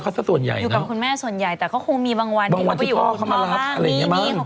บางวันที่พ่อเขามารับอะไรอย่างนี้มั้ง